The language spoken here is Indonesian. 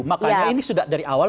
makanya ini sudah dari awal